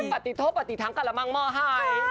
ปฏิโทษปฏิทั้งกันแล้วมั่งม่อให้